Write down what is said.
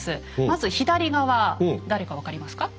まず左側誰か分かりますか？